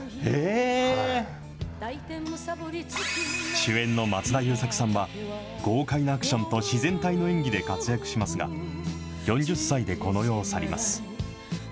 主演の松田優作さんは、豪快なアクションと自然体の演技で活躍しますが、４０歳でこの世を去ります。